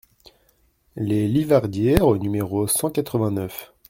Les Livardieres au numéro cent quatre-vingt-neuf